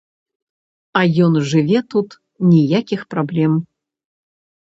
А ён жыве тут, ніякіх праблем.